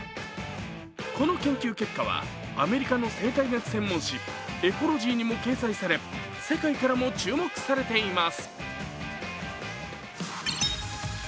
この研究結果はアメリカの生態学専門誌「Ｅｃｏｌｏｇｙ」にも掲載され世界からも注目されています。